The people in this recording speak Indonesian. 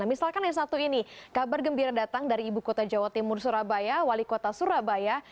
misalkan yang satu ini kabar gembira datang dari ibu kota jawa timur surabaya wali kota surabaya